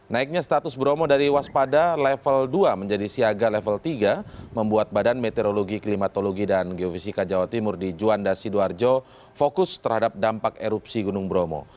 naiknya status bromo dari waspada level dua menjadi siaga level tiga membuat badan meteorologi klimatologi dan geofisika jawa timur di juanda sidoarjo fokus terhadap dampak erupsi gunung bromo